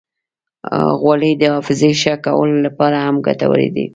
غوړې د حافظې ښه کولو لپاره هم ګټورې دي.